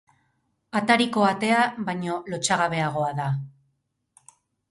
Atariko atea baino lotsagabeagoa da.